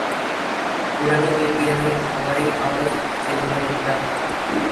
உடனே வேண்டியதை அவரை ஆலோசித்துச் செய்யுங்கள், என்றார்.